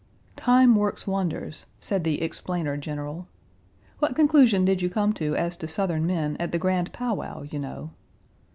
"Time works wonders," said the explainer general. "What conclusion did you come to as to Southern men at the grand pow wow, you know?"